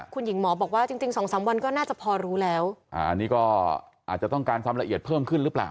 คุณหญิงหมอบอกว่าจริงจริงสองสามวันก็น่าจะพอรู้แล้วอ่าอันนี้ก็อาจจะต้องการความละเอียดเพิ่มขึ้นหรือเปล่า